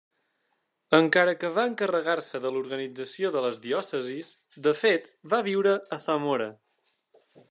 Encara que va encarregar-se de l'organització de les diòcesis, de fet va viure a Zamora.